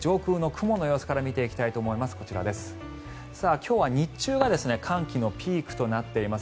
今日は日中は寒気のピークとなっています。